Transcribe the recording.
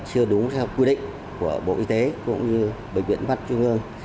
chưa đúng theo quy định của bộ y tế cũng như bệnh viện mắt trung ương